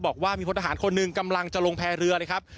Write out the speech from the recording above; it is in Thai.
บอกว่ามีพลทหารคนหนึ่งกำลังจะลงแพรเรือนะครับ